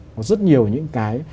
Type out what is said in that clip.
có rất nhiều những cái